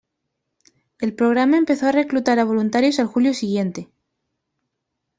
El programa empezó a reclutar a voluntarios al julio siguiente.